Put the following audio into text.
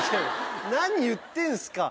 何言ってんすか。